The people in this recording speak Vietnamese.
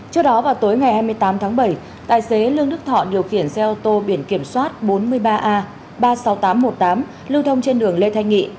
trước đó vào tối ngày hai mươi tám tháng bảy tài xế lương đức thọ điều khiển xe ô tô biển kiểm soát bốn mươi ba a ba mươi sáu nghìn tám trăm một mươi tám lưu thông trên đường lê thanh nghị